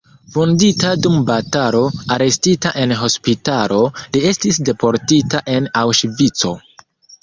Vundita dum batalo, arestita en hospitalo, li estis deportita en Aŭŝvico.